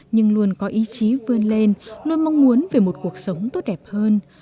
nhưng luôn có ý chí vươn lên luôn mong muốn về một cuộc sống tốt đẹp hơn